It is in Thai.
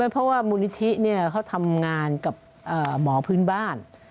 เพราะว่ามูลนิธิเขาทำงานกับหมอพื้นบ้าน